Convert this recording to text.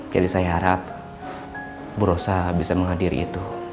jadi saya harap bu rossa bisa menghadiri itu